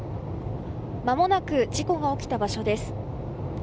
まもなく事故が起きた場所です。